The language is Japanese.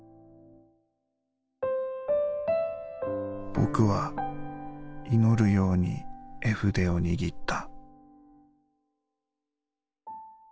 「僕は祈る様に絵筆を握った」。